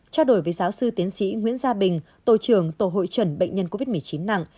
trao đổi với giáo sư tiến sĩ nguyễn gia bình tổ trưởng tổ hội trần bệnh nhân covid một mươi chín nặng